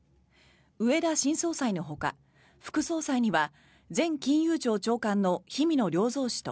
植田新総裁のほか副総裁には前金融庁長官の氷見野良三氏と